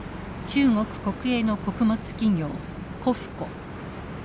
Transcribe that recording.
中国国営の穀物企業「コフコ」。